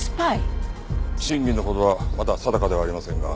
真偽のほどはまだ定かではありませんが。